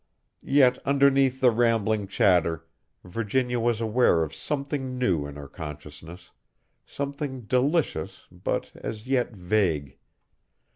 Yet underneath the rambling chatter Virginia was aware of something new in her consciousness, something delicious but as yet vague.